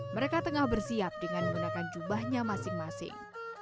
mereka tengah bersiap dengan menggunakan jubahnya masing masing